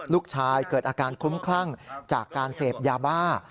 เกิดอาการคุ้มคลั่งจากการเสพยาบ้า